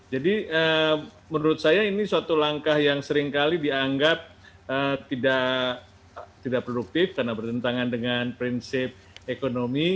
jadi menurut saya ini suatu langkah yang seringkali dianggap tidak produktif karena bertentangan dengan prinsip ekonomi